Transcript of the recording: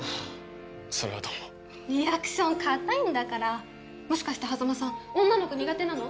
それはどうもリアクションかたいんだからもしかして波佐間さん女の子苦手なの？